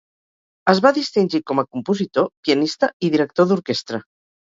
Es va distingir com a compositor, pianista i director d'orquestra.